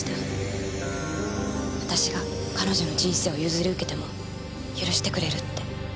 私が彼女の人生を譲り受けても許してくれるって。